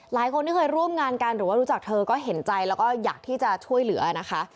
หลายคนที่เคยร่วมงานกันหรือว่ารู้จักเธอก็เห็นใจแล้วก็อยากที่จะช่วยเหลือนะคะ